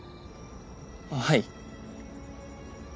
はい。